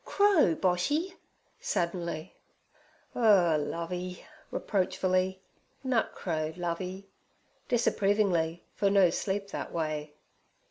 crow, Boshy' suddenly. 'Ur, Lovey' reproachfully; 'nut crow, Lovey' disapprovingly, for no sleep that way.